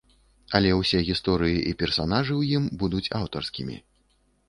Але ўсе гісторыі і персанажы ў ім будуць аўтарскімі.